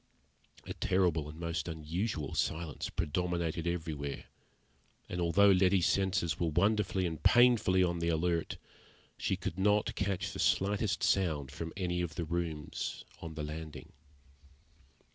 A terrible and most unusual silence predominated everywhere, and although Letty's senses were wonderfully and painfully on the alert, she could not catch the slightest sound from any of the rooms on the landing.